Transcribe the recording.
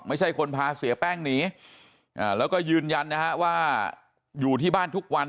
ไม่ใช่คนพาเสียแป้งหนีแล้วก็ยืนยันนะฮะว่าอยู่ที่บ้านทุกวัน